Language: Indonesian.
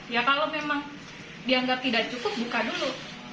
ya kalau memang dianggap tidak cukup buka dulu